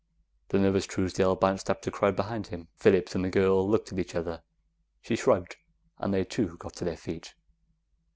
The nervous Truesdale bounced up to crowd behind him. Phillips and the girl looked at each other; she shrugged, and they too got to their feet.